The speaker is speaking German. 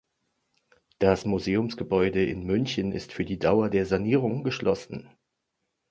Das Museumsgebäude in München ist für die Dauer der Sanierung geschlossen.